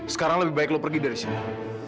sekarang lebih baik lo pergi dari sini